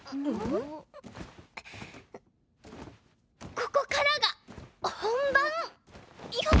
ここからが本番よと！